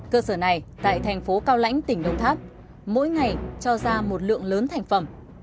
cơ sở này tại thành phố cao lãnh tỉnh đồng tháp mỗi ngày cho ra một lượng lớn thành phẩm